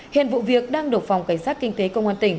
hiện vụ việc đang được phòng cảnh sát kinh tế công an tỉnh